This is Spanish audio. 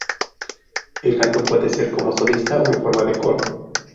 El canto puede ser como solista o en forma de coro.